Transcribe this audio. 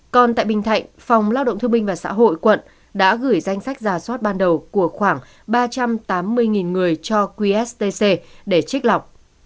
còn tại bình thạnh phòng lao động thương binh và xã hội quận đã gửi danh sách giả soát ban đầu của khoảng ba trăm tám mươi người cho qst để trích lọc